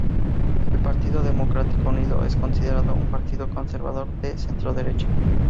El Partido Democrático Unido es considerado una partido conservador de centroderecha.